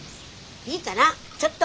いいからちょっと。